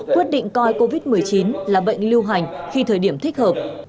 quyết định coi covid một mươi chín là bệnh lưu hành khi thời điểm thích hợp